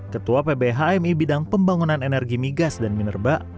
ketua pbhmi bidang pembangunan energi migas dan minerba